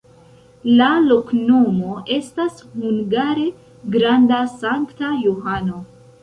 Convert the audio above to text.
La loknomo estas hungare: granda-Sankta Johano.